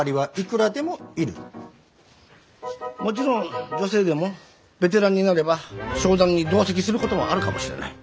もちろん女性でもベテランになれば商談に同席することもあるかもしれない。